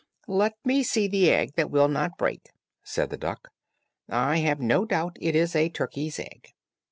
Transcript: "Let me see the egg that will not break," said the duck; "I have no doubt it is a turkey's egg.